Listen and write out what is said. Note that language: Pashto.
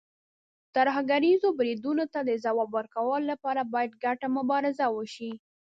ترهګریزو بریدونو ته د ځواب ورکولو لپاره، باید ګډه مبارزه وشي.